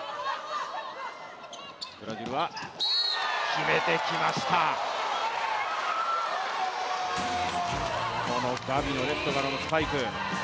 決めてきました、ガビのレフトからのスパイク。